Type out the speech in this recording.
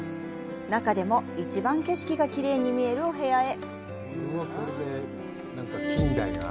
中でも一番景色がきれいに見えるお部屋へ。